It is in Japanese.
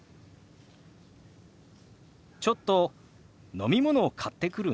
「ちょっと飲み物買ってくるね」。